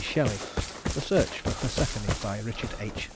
SHELLEY The Search for Persephone RICHARD H.